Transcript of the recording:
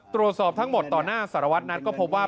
ตรวจสอบทั้งหมดต่อหน้าสารวัตนัทก็พบว่า